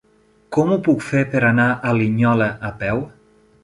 Com ho puc fer per anar a Linyola a peu?